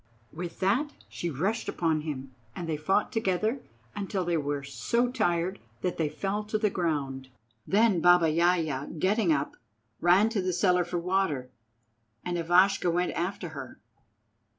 With that she rushed upon him, and they fought together until they were so tired that they fell to the ground. Then Baba Yaja, getting up, ran to the cellar for the water, and Ivashka went after her.